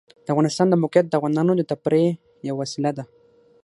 د افغانستان د موقعیت د افغانانو د تفریح یوه وسیله ده.